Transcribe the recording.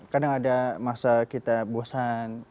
kadang ada masa kita bosan